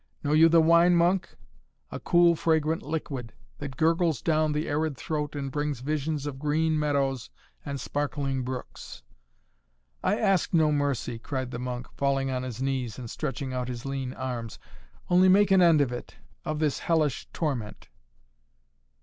Know you the wine, monk? A cool fragrant liquid, that gurgles down the arid throat and brings visions of green meadows and sparkling brooks " "I ask no mercy," cried the monk, falling on his knees and stretching out his lean arms. "Only make an end of it of this hellish torment."